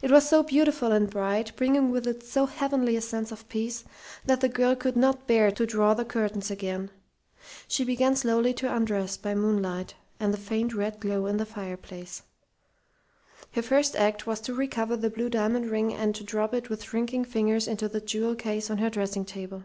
It was so beautiful and bright, bringing with it so heavenly a sense of peace, that the girl could not bear to draw the curtains again. She began slowly to undress by moonlight and the faint red glow in the fireplace. Her first act was to recover the blue diamond ring and to drop it with shrinking fingers into the jewel case on her dressing table.